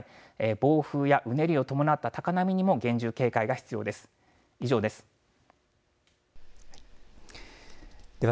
暴風やうねりを伴った高波にも厳重警戒が必要です。